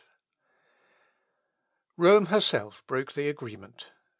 ] Rome herself broke the agreement.